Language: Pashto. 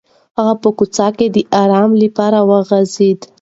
هغه په کوچ کې د ارام لپاره وغځېد.